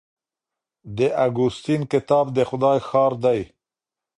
د اګوستین کتاب د خدای ښار دی.